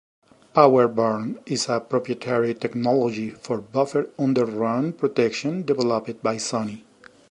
Power Burn is a proprietary technology for buffer underrun protection, developed by Sony.